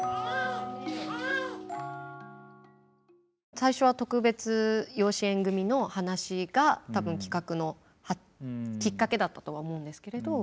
最初は特別養子縁組みの話が多分企画のきっかけだったとは思うんですけれど。